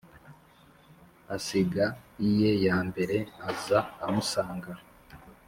Asiga iye ya mbere aza awusanga!